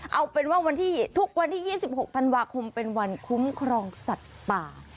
เอาเป็นว่าวันที่ทุกวันที่๒๖ธันวาคมเป็นวันคุ้มครองสัตว์ป่า